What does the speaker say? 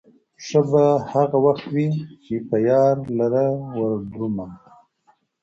ښه به هغه وخت وي، چې به يار لره وردرومم